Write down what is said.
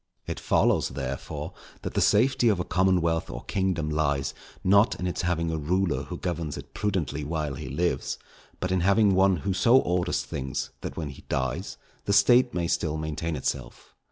] It follows, therefore, that the safety of a commonwealth or kingdom lies, not in its having a ruler who governs it prudently while he lives, but in having one who so orders things, that when he dies, the State may still maintain itself.